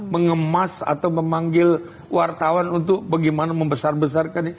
mengemas atau memanggil wartawan untuk bagaimana membesar besarkan